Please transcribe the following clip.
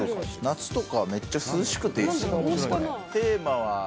夏とかめっちゃ涼しくていいですね。